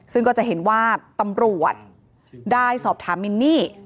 ซึ่งก็จะเห็นว่าตำรวจได้สอบถามมินนี่